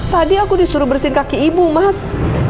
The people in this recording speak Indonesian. tadi aku disuruh bersihin kaki ibu mas